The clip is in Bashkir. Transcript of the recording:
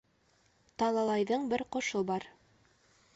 Талалайҙың бер ҡошо бар